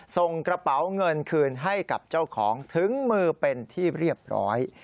ส่งกระเป๋าเงินคืนให้กับเจ้าของถึงมือเป็นที่เรียบร้อย